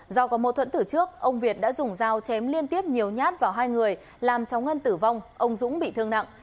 do có mâu thuẫn tử trước ông việt đã dùng dao chém liên tiếp nhiều nhát vào hai người làm cháu ngân tử vong ông dũng bị thương nặng